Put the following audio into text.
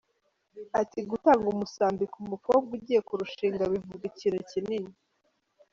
Agira ati “Gutanga umusambi ku mukobwa ugiye kurushinga bivuga ikintu kinini.